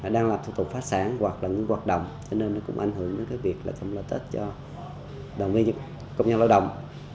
đang làm thủ tục phát sản hoặc là những hoạt động cho nên nó cũng ảnh hưởng đến cái việc chăm lo tết cho đồng minh công nhân lao động